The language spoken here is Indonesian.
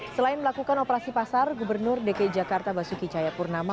selain melakukan operasi pasar gubernur dki jakarta basuki cayapurnama